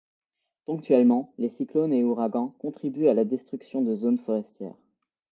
Ponctuellement les cyclones et ouragans contribuent à la destruction de zones forestières.